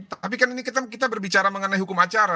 tapi kan ini kita berbicara mengenai hukum acara